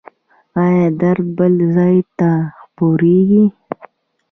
ایا درد بل ځای ته خپریږي؟